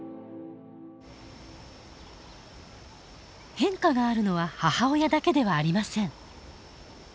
変化があるのは母親だけではありません。